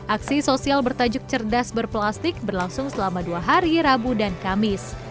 aksi sosial bertajuk cerdas berplastik berlangsung selama dua hari rabu dan kamis